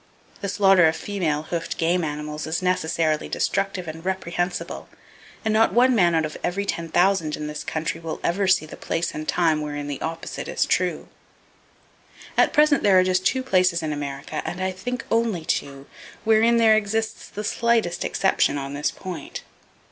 The slaughter of female hoofed game animals is necessarily destructive and reprehensible, and not one man out of every ten thousand in this country ever will see the place and time wherein the opposite is true. [Page 242] At present there are just two places in America, and I think only two, wherein there exists the slightest exception on this point.